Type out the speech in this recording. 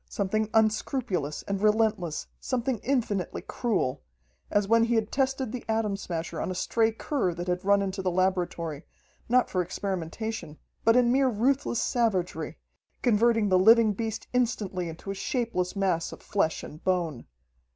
Something unscrupulous and relentless, something infinitely cruel as when he had tested the Atom Smasher on a stray cur that had run into the laboratory, not for experimentation, but in mere ruthless savagery, converting the living beast instantly into a shapeless mass of flesh and bone.